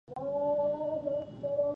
او له هرې کاسې سره یوه غټه مجمه وه چې پکې